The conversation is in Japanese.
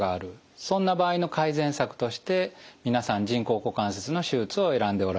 そんな場合の改善策として皆さん人工股関節の手術を選んでおられます。